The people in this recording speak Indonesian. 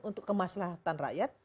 untuk kemaslahan rakyat